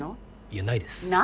いやないです。